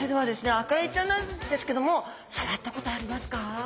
アカエイちゃんなんですけども触ったことありますか？